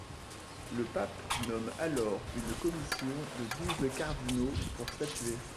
Le pape nomme alors une commission de douze cardinaux pour statuer.